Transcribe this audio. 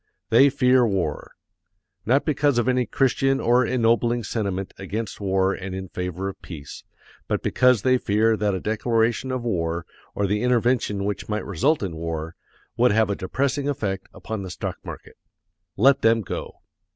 They fear war! Not because of any Christian or ennobling sentiment against war and in favor of peace, but because they fear that a declaration of war, or the intervention which might result in war, would have a depressing effect upon the stock market. Let them go.